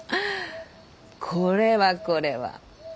これはこれは。